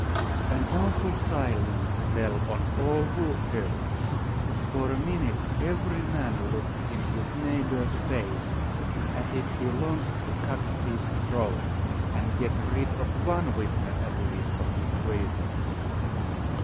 An awful silence fell on all who heard. For a minute every man looked in his neighbour's face as if he longed to cut his throat, and get rid of one witness, at least, of his treason.